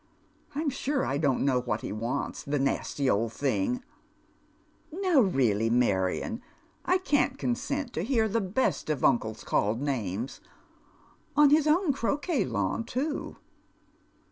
I'm sure I don't know what he wants — the nasty old thing !"" Now really, Marion, I can't consent to hear the best of uncles called names, — on his own croquet lawn, too."